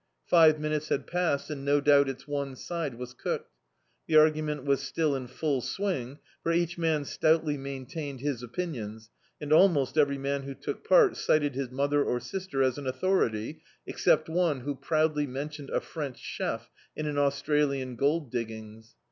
Five minutes had passed and no doubt its one side was cooked. The argument was still in full swing, for each man stoutly maintained his opinions, and almost every man who took part cited his mother or sister as an authority, except one, who proudly mentitmed a French chef in an Australian gold dig^ngs.